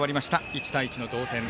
１対１の同点。